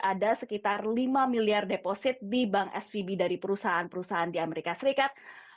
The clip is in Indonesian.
ada sekitar lima miliar deposit di bank svb dari perusahaan perusahaan di amerika serikat